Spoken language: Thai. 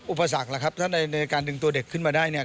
อุปสรรคล่ะครับถ้าในการดึงตัวเด็กขึ้นมาได้เนี่ย